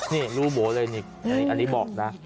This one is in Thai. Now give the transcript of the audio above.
นี่รูโบเลยนี่อันนี้บอกนะ